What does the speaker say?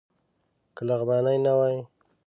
که لغمانی نه وای.